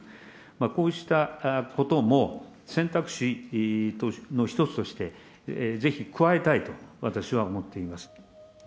こうしたことも選択肢の一つとしてぜひ加えたいと私は思っています。